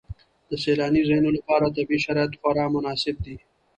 د سیلاني ځایونو لپاره طبیعي شرایط خورا مناسب دي.